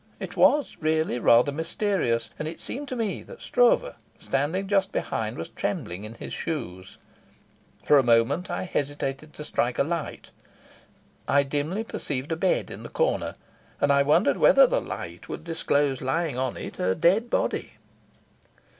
It was really rather mysterious, and it seemed to me that Stroeve, standing just behind, was trembling in his shoes. For a moment I hesitated to strike a light. I dimly perceived a bed in the corner, and I wondered whether the light would disclose lying on it a dead body.